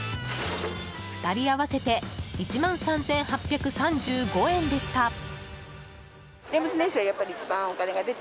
２人合わせて１万３８３５円でした。